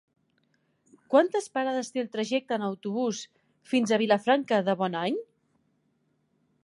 Quantes parades té el trajecte en autobús fins a Vilafranca de Bonany?